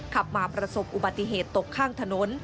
ขับมาประสบอุบัติเหตุตกข้างถนน